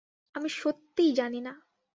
আমি সত্যিই জানি না।